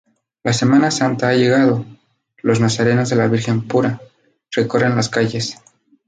La Semana Santa ha llegado, los nazarenos de la Virgen Pura, recorren las calles